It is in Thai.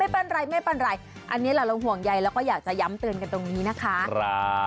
เอ้าบอกว่าไม่เป็นไรอันนี้เราลองห่วงใยและผู้หญิงอยากจะย้ำเตือนกันตรงนี้นะคะ